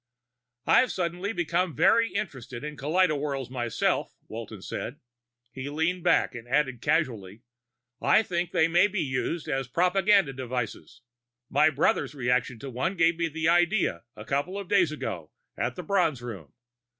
"I've suddenly become very interested in kaleidowhirls myself," Walton said. He leaned back and added casually, "I think they can be used as propaganda devices. My brother's reaction to one gave me the idea, couple days ago, at the Bronze Room.